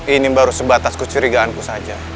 ini baru sebatas kecurigaanku saja